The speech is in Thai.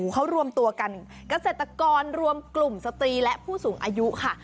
เขารวมตัวกันเกษตรกรรวมกลุ่มสตรีและผู้สูงอายุค่ะ